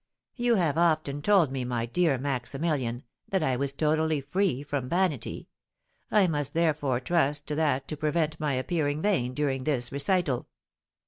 You have often told me, my dear Maximilian, that I was totally free from vanity; I must therefore trust to that to prevent my appearing vain during this recital.